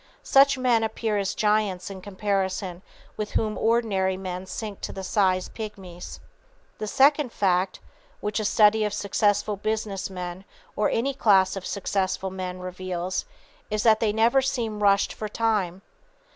Such men appear as giants in comparison with whom ordinary men sink to the size of pygmies. The second fact, which a study of successful business men (or any class of successful men) reveals, is that they never seem rushed for time.